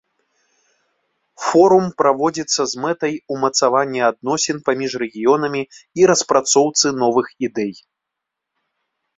Форум праводзіцца з мэтай умацавання адносін паміж рэгіёнамі і распрацоўцы новых ідэй.